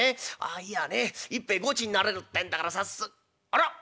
ああ言やあね一杯ごちになれるってんだからさっすあら？